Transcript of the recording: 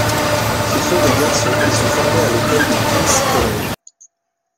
Ce sont des garçons qui sont formés à l'école du King's College.